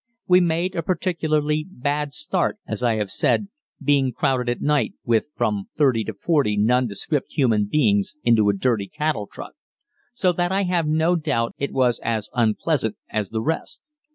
We made a particularly bad start, as I have said, being crowded at night with from thirty to forty nondescript human beings into a dirty cattle truck, so that I have no doubt it was as unpleasant as the rest.